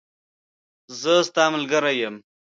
زه ستاملګری یم .